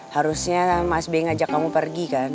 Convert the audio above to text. harusnya mas b ngajak kamu pergi kan